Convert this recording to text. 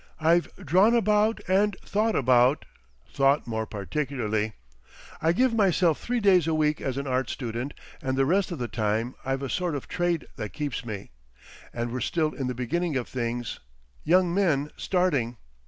I've drawn about and thought about—thought more particularly. I give myself three days a week as an art student, and the rest of the time I've a sort of trade that keeps me. And we're still in the beginning of things, young men starting.